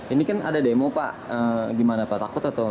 ini kan ada demo pak gimana pak takut atau